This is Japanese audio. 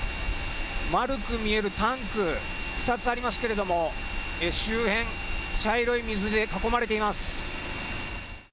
丸く見えるタンク、２つありますけれども、周辺、茶色い水で囲まれています。